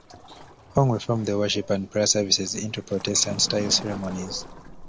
Hong reformed the worship and prayer services into Protestant-style ceremonies.